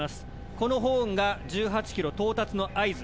このホーンが１８ｋｍ到達の合図。